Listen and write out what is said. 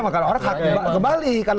maka orang kembali